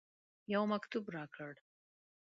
یو مکتوب راکړ.